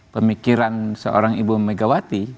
pemikiran seorang ibu megawati